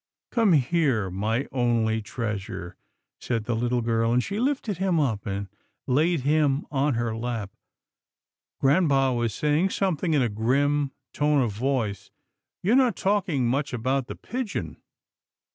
" Come here, my only treasure," said the little girl, and she lifted him up and laid him on her lap. Grampa was saying something in a grim tone of voice. " You're not talking much about the pigeon."